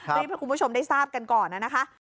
รีบให้คุณผู้ชมได้ทราบกันก่อนนะคะ